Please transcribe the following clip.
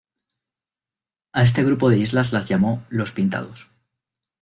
A este grupo de islas las llamó "Los Pintados".